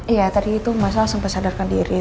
iya tadi itu mas al sempat sadarkan diri